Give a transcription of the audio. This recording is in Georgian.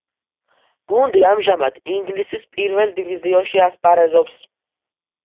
გუნდი ამჟამად ინგლისის პირველ დივიზიონში ასპარეზობს.